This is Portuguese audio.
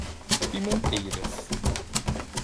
Pimenteiras